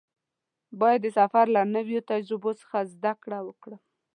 باید د سفر له نویو تجربو څخه زده کړه وکړم.